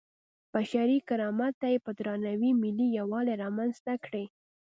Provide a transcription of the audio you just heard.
بشري کرامت ته یې په درناوي ملي یووالی رامنځته کړی.